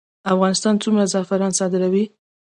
افغانستان څومره زعفران صادروي؟